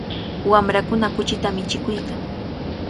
Wamrakuna kuchita michikuykan.